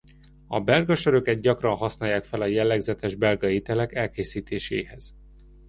A belga söröket gyakran használják fel a jellegzetes belga ételek elkészítéséhez.